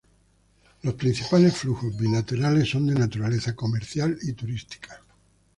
Los principales flujos bilaterales son de naturaleza comercial y turística.